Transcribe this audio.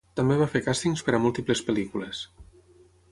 També va fer càstings per a múltiples pel·lícules.